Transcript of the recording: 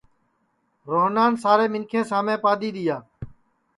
روہنان سارے منکھیں سامے پادؔی دؔیا